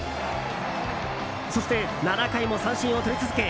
そして７回も三振をとり続け